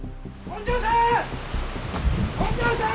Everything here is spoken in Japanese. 本庄さん！